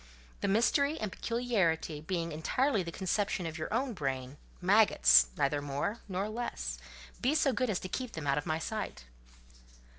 "The mystery and peculiarity being entirely the conception of your own brain—maggots—neither more nor less, be so good as to keep them out of my sight."